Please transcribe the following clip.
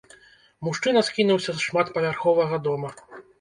Мужчына скінуўся з шматпавярховага дома.